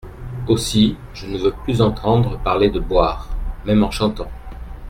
Aussi, je ne veux plus entendre parler de boire !… même en chantant !…